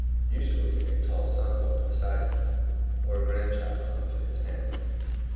Usually a tall son walked beside him, or a grandchild clung to his hand.